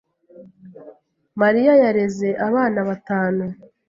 Mariya yareze abana batanu.